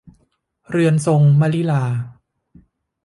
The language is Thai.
เรือนทรงมลิลา